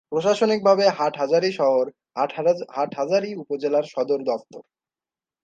প্রশাসনিক ভাবে হাটহাজারী শহর হাটহাজারী উপজেলার সদর দফতর।